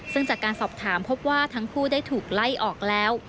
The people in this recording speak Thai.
ซึ่งจากการสอบถามพบว่าทั้งคู่ได้ถูกไล่ออกแล้ว